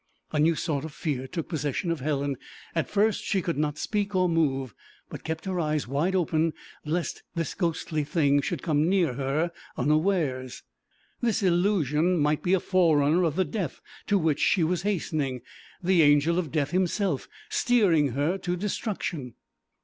A new sort of fear took possession of Helen; at first she could not speak or move, but kept her eyes wide open lest the ghostly thing should come near her unawares. This illusion might be a forerunner of the death to which she was hastening, the Angel of Death himself steering her to destruction!